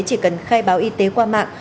chỉ cần khai báo y tế qua mạng